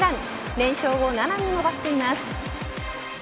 連勝を７に伸ばしています。